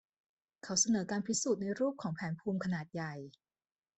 เขาเสนอการพิสูจน์ในรูปของแผนภูมิขนาดใหญ่